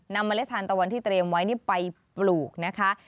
นำมาละทานตอนที่เตรียมไว้นี่ไปปลูกนะคะ